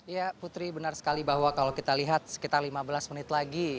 ya putri benar sekali bahwa kalau kita lihat sekitar lima belas menit lagi